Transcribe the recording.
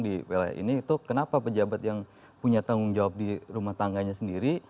di wilayah ini itu kenapa pejabat yang punya tanggung jawab di rumah tangganya sendiri